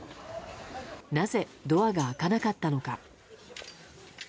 なぜドアが開かなかったのか。